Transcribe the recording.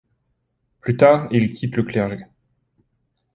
Plus tard, il quitte le clergé.